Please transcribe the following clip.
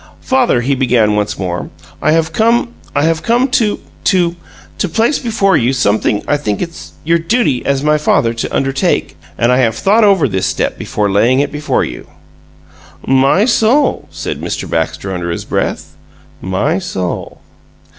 "Father," he began once more, "I have come I have come to to place before you something I think it's your duty as my father to undertake, and I have thought over this step before laying it before you." "My soul!" said Mr. Baxter, under his breath. "My soul!"